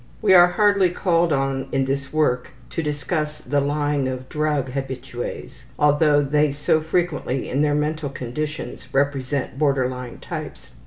We are hardly called on in this work to discuss the lying of drug habitues, although they so frequently in their mental conditions represent border line types.